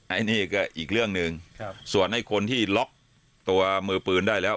อันนี้ก็อีกเรื่องหนึ่งส่วนไอ้คนที่ล็อกตัวมือปืนได้แล้ว